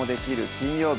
金曜日」